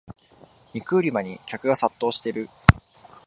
肉売り場に客が殺到してる